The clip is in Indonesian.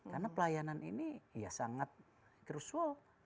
karena pelayanan ini ya sangat crucial